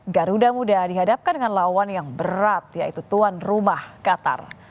garuda muda dihadapkan dengan lawan yang berat yaitu tuan rumah qatar